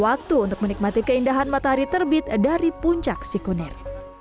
waktu untuk menikmati keindahan matahari terbit dari puncak sikunir